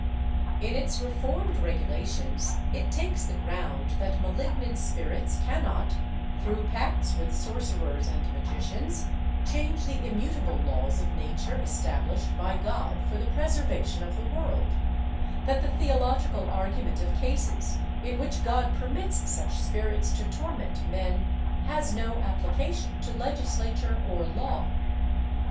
In its reformed regu lations it takes the ground that malignant spirits cannot, through pacts with sorcerers and magicians, change the immutable laws of Nature established by God for the preservation of the world; that the theological argument of cases in which God permits such spirits to torment men has no application to legislature or law.